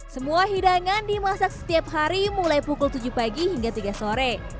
semua hidangan dimasak setiap hari mulai pukul tujuh pagi hingga tiga sore